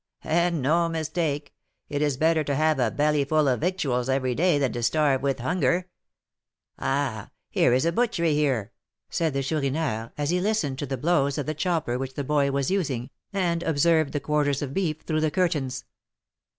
"And no mistake; it is better to have a bellyful of victuals every day than to starve with hunger. Ah! here is a butchery here," said the Chourineur, as he listened to the blows of the chopper which the boy was using, and observed the quarters of beef through the curtains.